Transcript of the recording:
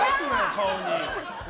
顔に。